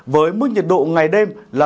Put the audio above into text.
với mức nhiệt độ ngày đêm là